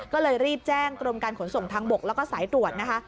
ก็เลยรีบแจ้งกรมการขนส่งทางบกแล้วก็สายตรวจนะคะ